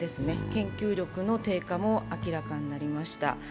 研究力の低下も明らかになりました。